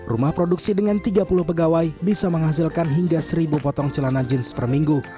rumah produksi dengan tiga puluh pegawai bisa menghasilkan hingga seribu potong celana jeans per minggu